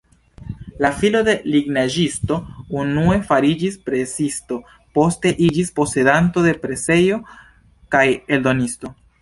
La filo de lignaĵisto unue fariĝis presisto, poste iĝis posedanto de presejo kaj eldonisto.